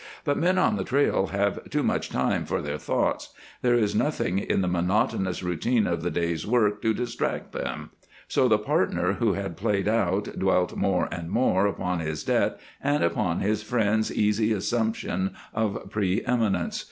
But men on the trail have too much time for their thoughts; there is nothing in the monotonous routine of the day's work to distract them, so the partner who had played out dwelt more and more upon his debt and upon his friend's easy assumption of pre eminence.